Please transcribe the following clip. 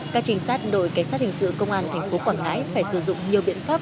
các trinh sát đội cảnh sát hình sự công an tp quảng ngãi phải sử dụng nhiều biện pháp